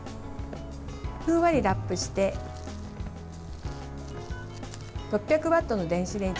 ふんわりラップして６００ワットの電子レンジに１分かけます。